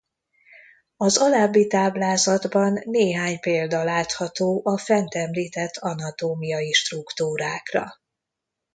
Az alábbi táblázatban néhány példa látható a fent említett anatómiai struktúrákra.